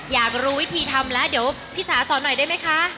อยากรู้วิธีทำแล้วเดี๋ยวพี่จ๋าสอนหน่อยได้ไหมคะ